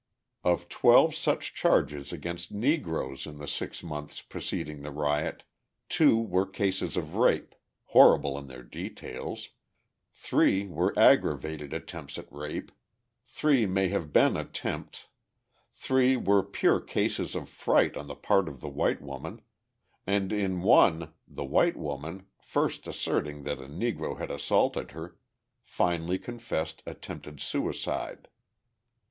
Of twelve such charges against Negroes in the six months preceding the riot two were cases of rape, horrible in their details, three were aggravated attempts at rape, three may have been attempts, three were pure cases of fright on the part of the white woman, and in one the white woman, first asserting that a Negro had assaulted her, finally confessed attempted suicide.